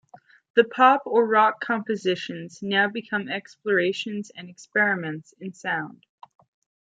The pop or rock compositions now became explorations and experiments in sound.